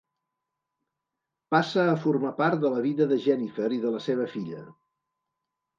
Passa a formar part de la vida de Jennifer i de la seva filla.